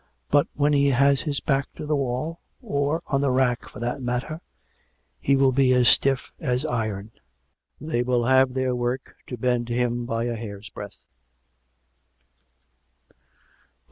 But when he has his back to the wall — or on the rack for that matter — he will be as stiff as iron. They will have their work to bend him by a hair's breadth."